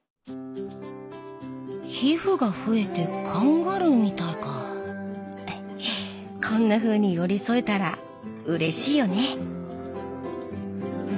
皮膚が増えてカンガルーみたいかってこんなふうに寄り添えたらうれしいよね。